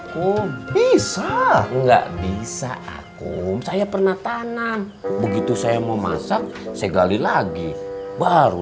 ku bisa nggak bisa aku saya pernah tanam begitu saya mau masak saya gali lagi baru